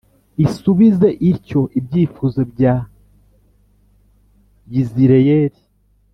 isubize ityo ibyifuzo bya Yizireyeli.